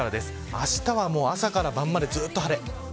あしたは朝から晩までずっと晴れ。